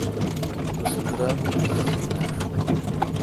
تسے°دراماے° بجلی این آں،؟